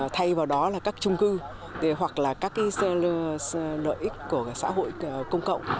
thay vào đó là các trung cư hoặc là các cái lợi ích của xã hội công cộng